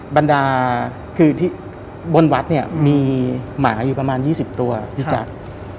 บรรดาบนวัดเนี่ยมีหมาอยู่ประมาณ๒๐ตัวพี่จักร